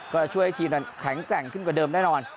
ก็ช่วยให้ทีมนั้นแข็งแกร่งขึ้นกว่าเดิมแน่นอน